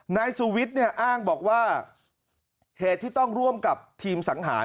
นายสุวิทย์เนี่ยอ้างบอกว่าเหตุที่ต้องร่วมกับทีมสังหาร